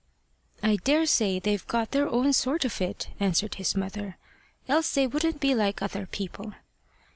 "I daresay they've got their own sort of it," answered his mother, "else they wouldn't be like other people."